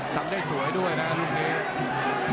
ตั้งได้สวยด้วยนะรุ่นนี้